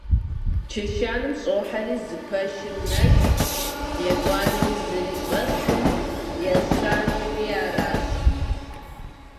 Чэщанэм щӀохьэри, зы пэшыр нэщӀщ, етӀуанэми зыри щӀэскъым, ещанэри аращ.